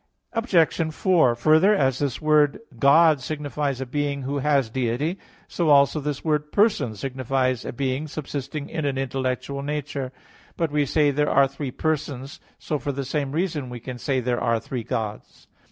Obj. 4: Further, as this word "God" signifies "a being who has Deity," so also this word "person" signifies a being subsisting in an intellectual nature. But we say there are three persons. So for the same reason we can say there are "three Gods."